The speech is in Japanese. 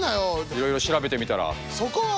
いろいろ調べてみたら。